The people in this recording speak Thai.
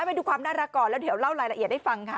ไปดูความน่ารักก่อนแล้วเดี๋ยวเล่ารายละเอียดให้ฟังค่ะ